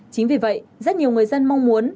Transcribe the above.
chính vì vậy rất nhiều người dân mong muốn